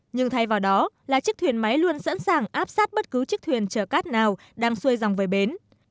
nhưng thay vào đó là chiếc thuyền máy luôn sẵn sàng áp sát bất cứ chiếc thuyền chở cát nào đang xuôi dòng về bến